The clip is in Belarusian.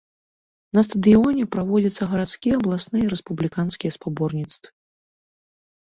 На стадыёне праводзяцца гарадскія, абласныя і рэспубліканскія спаборніцтвы.